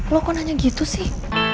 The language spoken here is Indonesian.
lo kok nanya gitu sih